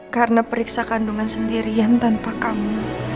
karena periksa kandungan sendirian tanpa kamu